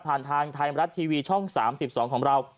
ทางไทยรัฐทีวีช่อง๓๒ของเรา